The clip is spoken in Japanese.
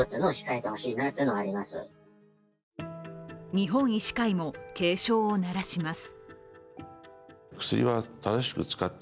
日本医師会も警鐘を鳴らします。